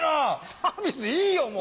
サービスいいよもう。